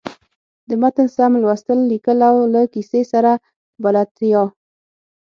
د متن سم لوستل، ليکل او له کیسۍ سره بلدتیا.